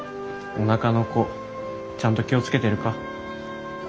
おなかの子ちゃんと気を付けてるか？